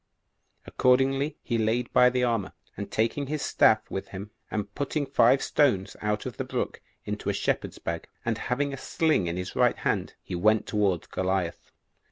Accordingly he laid by the armor, and taking his staff with him, and putting five stones out of the brook into a shepherd's bag, and having a sling in his right hand, he went towards Goliath.